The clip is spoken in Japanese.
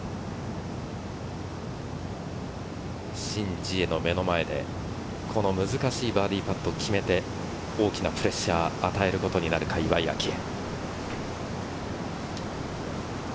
シン・ジエの目の前で、この難しいバーディーパットを決めて、大きなプレッシャーを与えることになるか、岩井明愛。